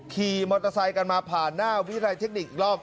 ขี่มอเตอร์ไซค์กันมาผ่านหน้าวิทยาลัยเทคนิคอีกรอบ